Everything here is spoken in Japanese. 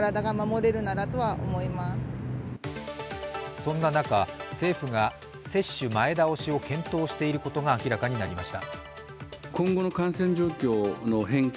そんな中、政府が接種前倒しを検討していることが明らかになりました。